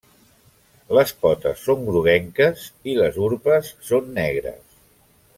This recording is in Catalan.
Les potes són groguenques, i les urpes són negres.